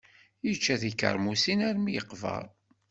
Yečča tikermusin armi yeqber.